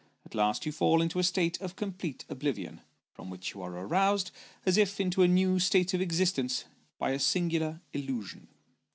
At last you fall into a state of complete oblivion, from which you are aroused, as if into a new state of existence, by a singular illusion.